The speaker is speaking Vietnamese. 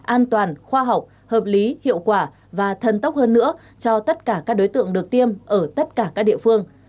an toàn khoa học hợp lý hiệu quả và thân tốc hơn nữa cho tất cả các đối tượng được tiêm ở tất cả các địa phương